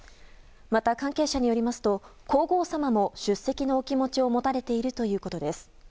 また、関係者によりますと皇后さまも出席のお気持ちを持たれているということです。